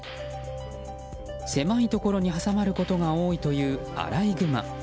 狭いところに挟まることが多いというアライグマ。